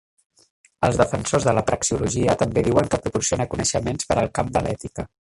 Els defensors de la praxeologia també diuen que proporciona coneixements per al camp de l'ètica.